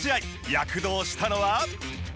躍動したのは。